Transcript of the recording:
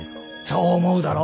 そう思うだろ？